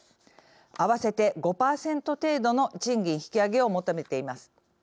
合わせて５％程度の賃金引き上げを求めています。